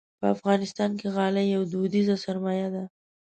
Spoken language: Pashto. په افغانستان کې غالۍ یوه دودیزه سرمایه ده.